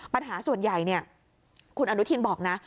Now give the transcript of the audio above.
ปัญหาส่วนใหญ่คุณอนุทินบอกนะ